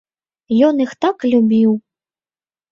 Ён іх так любіў.